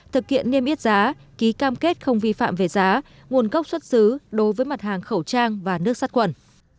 thực hiện niêm yết giá ký cam kết không vi phạm về giá nguồn gốc xuất xứ đối với mặt hàng khẩu trang và nước sát quẩn